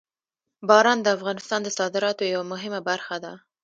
باران د افغانستان د صادراتو یوه مهمه برخه ده.